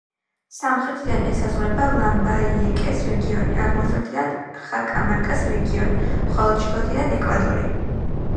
სამხრეთიდან ესაზღვრება ლამბაიეკეს რეგიონი, აღმოსავლეთიდან კახამარკას რეგიონი, ხოლო ჩრდილოეთიდან ეკვადორი.